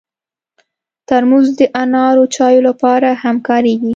ترموز د انارو چایو لپاره هم کارېږي.